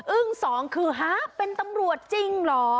ึ้งสองคือฮะเป็นตำรวจจริงเหรอ